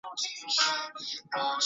反切上字注声母。